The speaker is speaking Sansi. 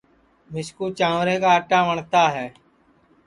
مِسکُو جانٚورے کا آٹا وٹؔتا ہے